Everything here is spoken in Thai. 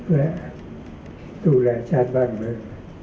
และดูแลชาติบ้านเมือง